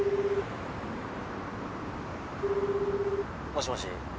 もしもし。